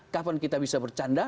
kapan kita bisa bercanda